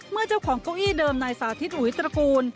เจ้าของเก้าอี้เดิมนายสาธิตหุยตระกูล